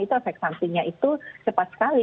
itu efek sampingnya itu cepat sekali